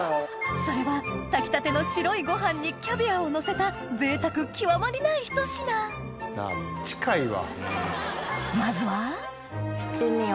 それは炊きたての白いご飯にキャビアをのせた贅沢極まりないひと品まずは七味を。